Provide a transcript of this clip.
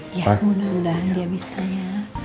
ya mudah mudahan dia bisa ya